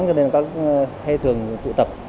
cho nên các thê thường tụ tập